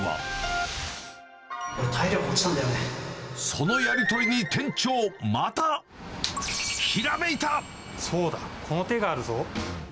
そのやり取りに店長、また、そうだ、この手があるぞ！